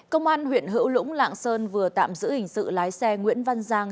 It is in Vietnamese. công an huyện hữu lũng lạng sơn vừa tạm giữ hình sự lái xe nguyễn văn giang